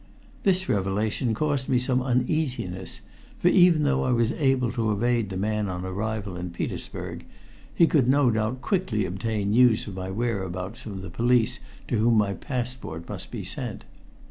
This revelation caused me some uneasiness, for even though I was able to evade the man on arrival in Petersburg, he could no doubt quickly obtain news of my whereabouts from the police to whom my passport must be sent.